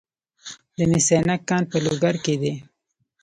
د مس عینک کان په لوګر کې دی